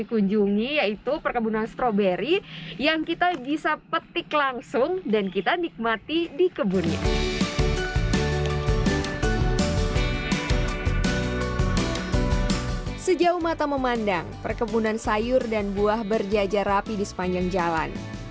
sejauh mata memandang perkebunan sayur dan buah berjajar rapi di sepanjang jalan